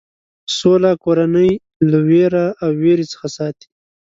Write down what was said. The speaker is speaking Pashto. سوله کورنۍ له وېره او وېرې څخه ساتي.